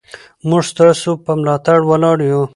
موږ ستاسو په ملاتړ ولاړ یو.